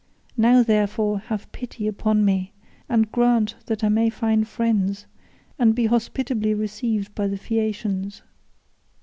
Now, therefore, have pity upon me and grant that I may find friends and be hospitably received by the Phaeacians."